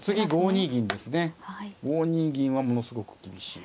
５二銀はものすごく厳しい。